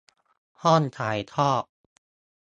ห้องถ่ายทอด